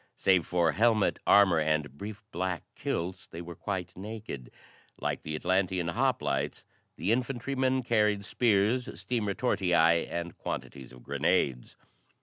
Save for helmet, armor and brief black kilts, they were quite naked. Like the Atlantean hoplites the infantrymen carried spears, steam retortii and quantities of grenades.